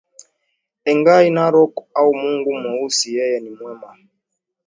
Engai Narok au mungu mweusi yeye ni mwema